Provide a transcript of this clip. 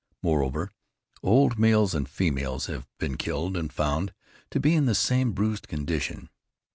Moreover, old males and females have been killed, and found to be in the same bruised condition.